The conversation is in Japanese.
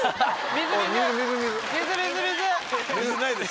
水ないです。